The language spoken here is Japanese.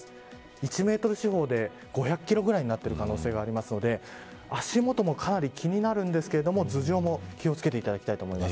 １メートル四方で５００キロぐらいになっている可能性があるので足元もかなり気になるんですけれども頭上も気を付けていただきたいと思います。